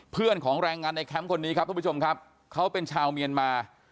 เพื่อนของแรงงานในแคมป์คนนี้ครับทุกผู้ชมครับเขาเป็นชาวเมียนมา